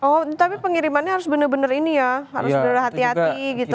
oh tapi pengirimannya harus bener bener ini ya harus bener bener hati hati gitu